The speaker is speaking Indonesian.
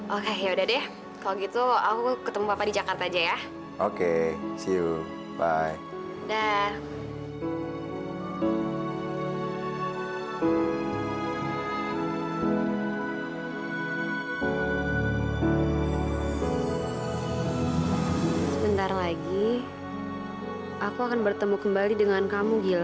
oke sampai jumpa